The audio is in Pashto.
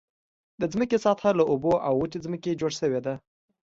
د ځمکې سطحه له اوبو او وچې ځمکې جوړ شوې ده.